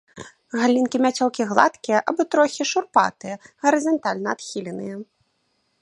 Галінкі мяцёлкі гладкія або трохі шурпатыя, гарызантальна адхіленыя.